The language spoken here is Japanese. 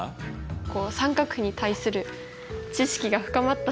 こう三角比に対する知識が深まったしわあ